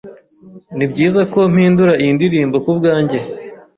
Nibyiza ko mpindura iyi ndirimbo kubwanjye